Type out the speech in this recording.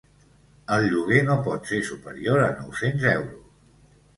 El lloguer no pot ser superior a nou-cents euros.